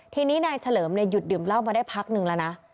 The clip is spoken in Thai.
ทีนี้นายเฉลิมเนี่ยหยุดดื่มเล่ามาได้พักนึงละนะ